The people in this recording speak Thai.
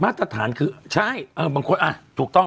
ตรฐานคือใช่เออบางคนอ่ะถูกต้อง